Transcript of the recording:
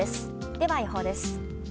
では予報です。